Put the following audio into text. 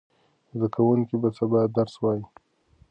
زده کوونکي به سبا درس وایي.